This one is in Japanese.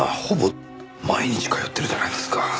ほぼ毎日通ってるじゃないですか。